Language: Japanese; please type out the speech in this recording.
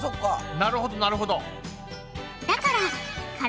なるほどなるほど。